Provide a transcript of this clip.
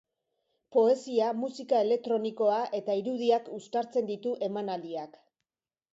Poesia, musika elektronikoa eta irudiak uztartzen ditu emanaldiak.